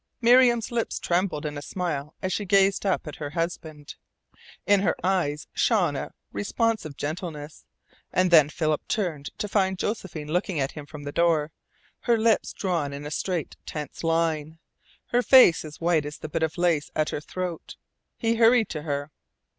Miriam's lips trembled in a smile as she gazed up at her husband. In her eyes shone a responsive gentleness; and then Philip turned to find Josephine looking at him from the door, her lips drawn in a straight, tense line, her face as white as the bit of lace at her throat. He hurried to her.